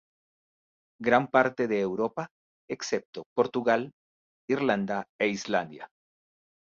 Gran parte de Europa, excepto Portugal, Irlanda e Islandia.